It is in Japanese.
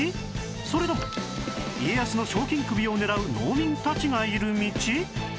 それとも家康の賞金首を狙う農民たちがいる道？